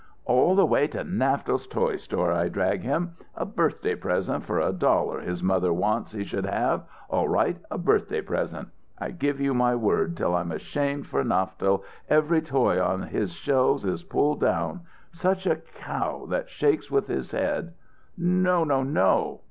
"All the way to Naftel's toy store I drag him. A birthday present for a dollar his mother wants he should have all right, a birthday present! I give you my word till I'm ashamed for Naftel, every toy on his shelves is pulled down. Such a cow that shakes with his head " "No no no!"